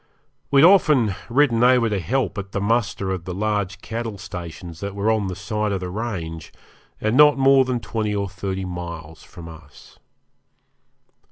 We had often ridden over to help at the muster of the large cattle stations that were on the side of the range, and not more than twenty or thirty miles from us.